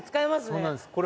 そうなんですこれ。